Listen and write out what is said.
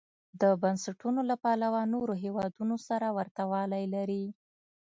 د بنسټونو له پلوه نورو هېوادونو سره ورته والی لري.